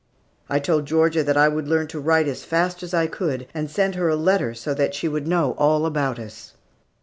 I told Georgia that I would learn to write as fast as I could, and send her a letter, so she would know all about us.